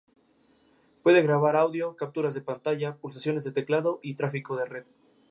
Puede grabar audio, capturas de pantalla, pulsaciones de teclado y tráfico de red.